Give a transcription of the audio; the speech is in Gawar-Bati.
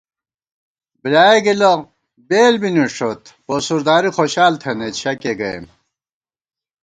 بۡلیایَہ گِلہ بېل بی نِݭوت پوسُرداری خوشال تھنَئیت شکےگَئیم